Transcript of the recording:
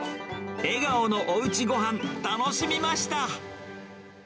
笑顔のおうちごはん、楽しみました。